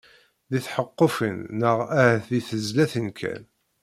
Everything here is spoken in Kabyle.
Deg txeqqufin neɣ ahat deg tezlatin kan.